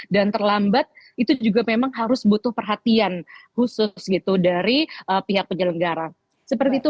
dan terlambat itu juga memang harus butuh perhatian khusus gitu dari pihak penyelenggara seperti itu